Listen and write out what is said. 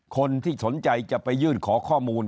คนที่สนใจจะไปยื่นขอข้อมูล